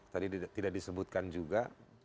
tadi tidak disebutkan juga